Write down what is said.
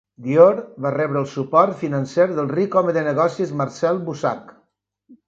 Dior va rebre el suport financer del ric home de negocis Marcel Boussac.